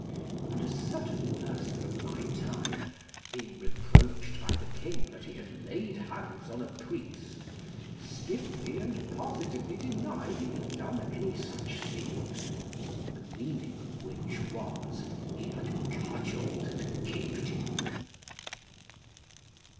And a certain person of my time, being reproached by the king that he had laid hands on a priest, stiffly and positively denied he had done any such thing: the meaning of which was, he had cudgelled and kicked him.